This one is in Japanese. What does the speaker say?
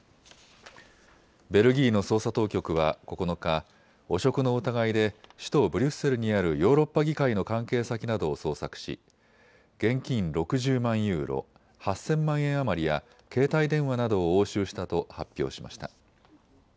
ベルギーの捜査当局は９日、汚職の疑いで首都ブリュッセルにあるヨーロッパ議会の関係先などを捜索し現金６０万ユーロ、８０００万円余りや携帯電話などを押収したと発表しました。